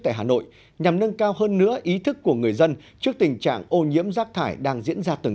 tại hà nội nhằm nâng cao hơn nữa ý thức của người dân trước tình trạng ô nhiễm rác thải đang diễn ra từng